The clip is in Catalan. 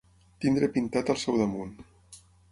Tenir pintat al seu damunt.